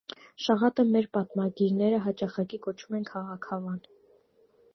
Շաղատը մեր պատմագիրները հաճախակի կոչում են քաղաքավան։